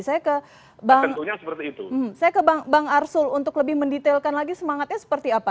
saya ke bang arsul untuk lebih mendetailkan lagi semangatnya seperti apa